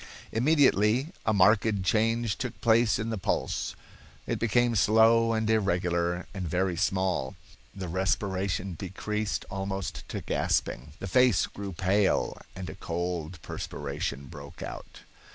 Immediately a marked change took place in the pulse. It became slow and irregular, and very small. The respiration decreased almost to gasping, the face grew pale, and a cold perspiration broke out.